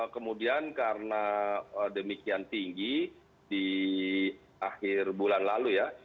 kemudian karena demikian tinggi di akhir bulan lalu ya